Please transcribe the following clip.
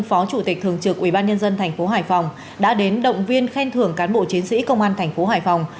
phó chủ tịch thường trực ubnd tp hải phòng đã đến động viên khen thưởng cán bộ chiến sĩ công an thành phố hải phòng